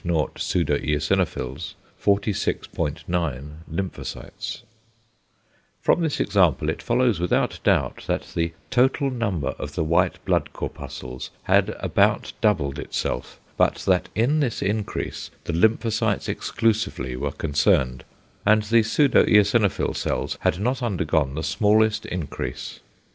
2 81 " 18.0 " 46.9 " From this example it follows without doubt, that the =total number of the white blood corpuscles had about doubled itself=, but that in this increase the lymphocytes exclusively were concerned, and the pseudo eosinophil cells had not undergone the smallest increase.